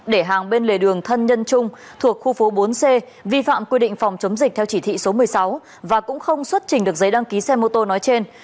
để hàng bên lề đường thân nhân trung thuộc khu phố bốn c vi phạm quy định phòng chống dịch theo chỉ thị số một mươi sáu và cũng không xuất trình được giấy đăng ký xe mô tô nói trên